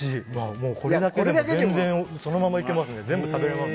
もうこれだけも全然、そのままいけますね、全部食べれます。